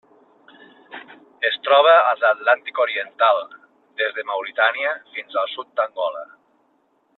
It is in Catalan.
Es troba a l'Atlàntic oriental: des de Mauritània fins al sud d'Angola.